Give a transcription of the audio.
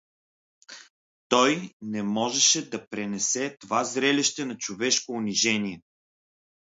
Той не можеше да пренесе това зрелище на човешко унижение.